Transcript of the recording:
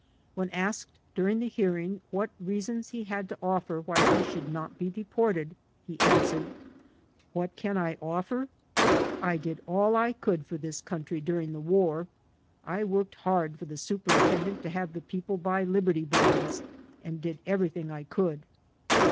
When asked during the hear ing what reasons he had to offer why he should not be deported, he answered: "What can I offer? I did all I could for this country dur ing the war. I worked hard for the Superintendent to have the people buy Liberty Bonds and did everything I could."